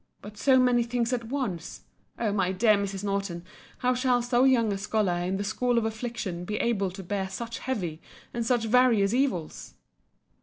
But so many things at once! O my dear Mrs. Norton, how shall so young a scholar in the school of affliction be able to bear such heavy and such various evils!